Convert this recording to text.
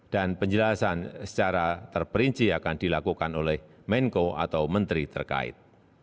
dan penjelasan secara terperinci akan dilakukan oleh menko atau menteri terkait